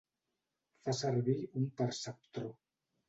Fa servir un perceptró.